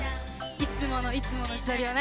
いつものいつもの自撮りをね。